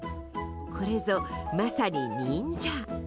これぞ、まさに忍者！